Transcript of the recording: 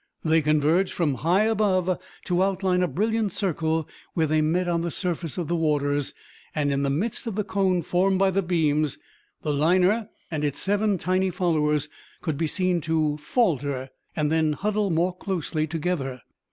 They converged from high above to outline a brilliant circle where they met on the surface of the waters, and in the midst of the cone formed by the beams, the liner and its seven tiny followers could be seen to falter, and huddle more closely together.